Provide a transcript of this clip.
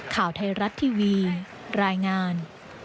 ข่าวไทยรัฐทีวีรายงาน